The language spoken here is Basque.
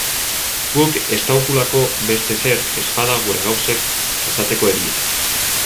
Guk estaukulako beste ezer, ezpada gure gauzek esateko erie.